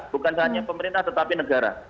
bukan saja pemerintah tetapi negara